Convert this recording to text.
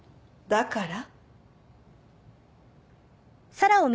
だから？